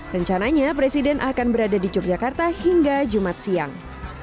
rencananya presiden akan berada di yogyakarta hingga jumat siang